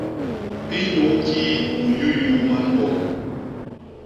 Inyukii u nyuyuu man woñ?